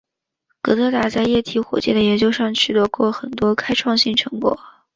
戈达德在液体火箭的研究上取得过很多开创性成果。